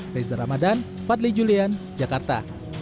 reza ramadan fadli julian jakarta